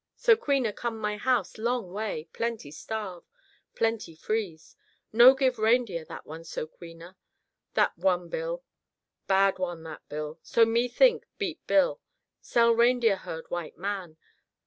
"So queena come my house—long way. Plenty starve. Plenty freeze. No give reindeer that one So queena, that one Bill. Bad one, that Bill. So me think; beat Bill. Sell reindeer herd white man.